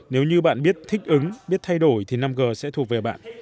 nếu như bạn biết thích ứng biết thay đổi thì năm g sẽ thuộc về bạn